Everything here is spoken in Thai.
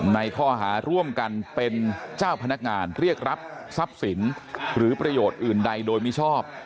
ในข้อหาร่วมกันเป็นเจ้าพนักงานเรียกรับทรัพย์สินหรือประโยชน์อื่นใดโดยมิชอบ